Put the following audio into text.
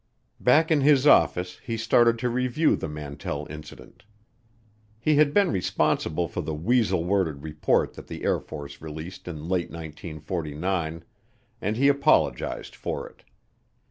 Back in his office he started to review the Mantell Incident. He had been responsible for the weasel worded report that the Air Force released in late 1949, and he apologized for it.